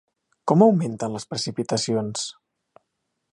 Com augmenten les precipitacions?